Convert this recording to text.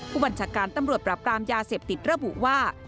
ผู้บัญชาการตำรวจปราบปรามยาเสพติดระบุว่า